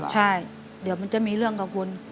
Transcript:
ใช่เดี๋ยวมันจะมีเรื่องกับคุณ